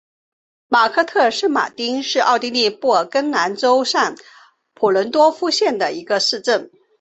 马克特圣马丁是奥地利布尔根兰州上普伦多夫县的一个市镇。